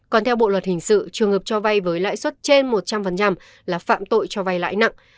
còn theo bộ luật hình sự trường hợp cho vay với lãi suất trên một trăm linh là phạm tội cho vay lãi nặng